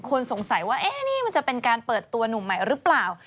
คนสงสัยว่านี่มันจะเป็นการเปิดตัวหนุ่มใหม่หรือเปล่า